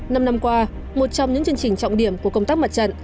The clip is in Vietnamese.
năm năm qua một trong những chương trình trọng điểm của công tác mặt trận